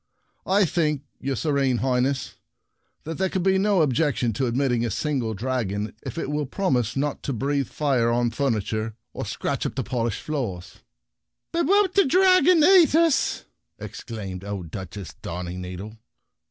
" I think, your serene High ness, that there can be no ob jection to admitting a single dragon, if it will promise not to breathe fire on the furniture or scratch up the polished floors." " But won't the dragon eat ns?" exclaimed old Duchess Darningneedle.